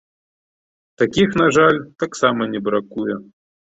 Такіх, на жаль, таксама не бракуе.